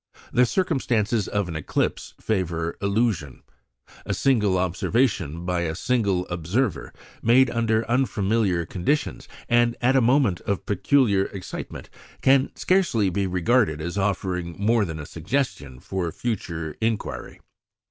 The circumstances of an eclipse favour illusion. A single observation by a single observer, made under unfamiliar conditions, and at a moment of peculiar excitement, can scarcely be regarded as offering more than a suggestion for future inquiry.